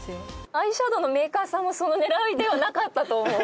アイシャドーのメーカーさんもその狙いではなかったと思う。